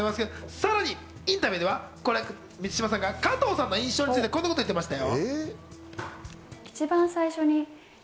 さらにインタビューでは加藤さんの印象について、こんな事を言ってましたよ。